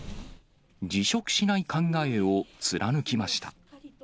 辞職しない考えを貫きました。